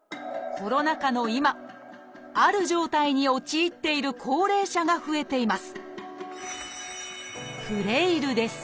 コロナ禍の今ある状態に陥っている高齢者が増えています